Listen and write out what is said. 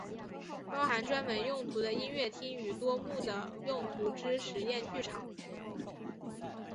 包含专门用途的音乐厅与多目的用途之实验剧场。